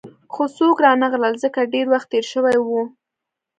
خو څوک رانغلل، ځکه ډېر وخت تېر شوی وو.